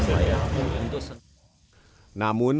namun pemerintah ini tidak bisa berkelanjutan